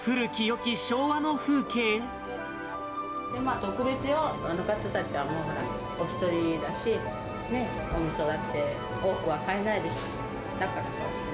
特別よ、あの方たちはお１人だし、おみそだって多くは買えないでしょう。